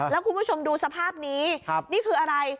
แล้วคุณผู้ชมดูสภาพนี้นี่คืออะไร